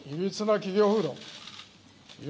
企業風土